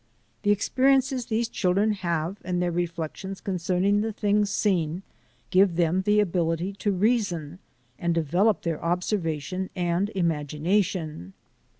The experiences these children have and their reflections concerning the things seen give them the ability to reason, and develop their observation and imagination.